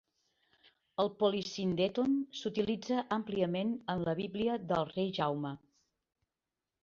El polisíndeton s'utilitza àmpliament en la Bíblia del rei Jaume.